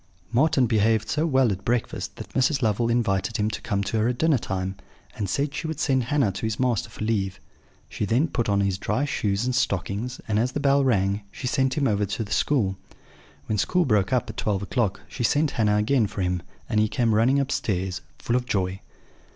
Marten behaved so well at breakfast that Mrs. Lovel invited him to come to her at dinner time, and said she would send Hannah to his master for leave. She then put on his dry shoes and stockings; and as the bell rang, she sent him over to school. When school broke up at twelve o'clock, she sent Hannah again for him; and he came running upstairs, full of joy.